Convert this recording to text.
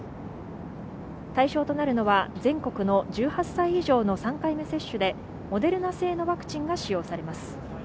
対象となるのは全国の１８歳以上の３回未接種でモデルナ製のワクチンが使用されます。